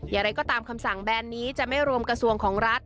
อย่างไรก็ตามคำสั่งแบนนี้จะไม่รวมกระทรวงของรัฐ